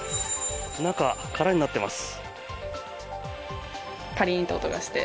中、空になっています。